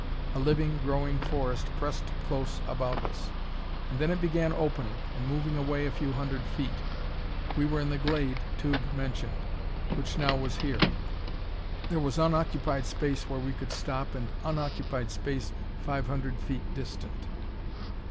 A living, growing forest pressed close about us. And then it began opening, and moving away a few hundred feet. We were in the glade Tugh mentioned, which now was here. There was unoccupied space where we could stop and unoccupied space five hundred feet distant.